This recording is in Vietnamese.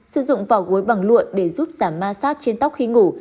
sử dụng vỏ gối bằng lụa để giúp giảm ma sát trên tóc khi ngủ